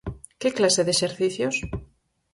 Que clase de exercicios?